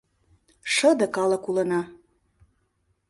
Шыде калык улына